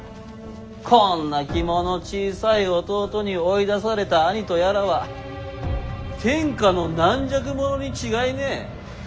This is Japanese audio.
こんな肝の小さい弟に追い出された兄とやらは天下の軟弱者に違いねえ。